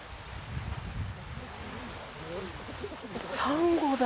サンゴだ。